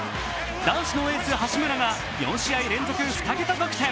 男子のエース・八村が４試合連続２桁得点。